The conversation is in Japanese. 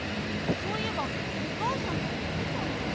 そういえばおかあさんもいってたな。